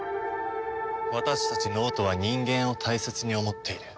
私たち脳人は人間を大切に思っている。